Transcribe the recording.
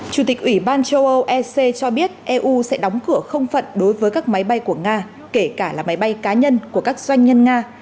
chủ tịch ủy ban châu âu ec cho biết eu sẽ đóng cửa không phận đối với các máy bay của nga kể cả là máy bay cá nhân của các doanh nhân nga